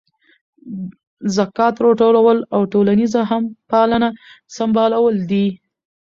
ذکات راټولول او ټولنیزه همپالنه سمبالول دي.